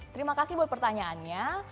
terima kasih buat pertanyaannya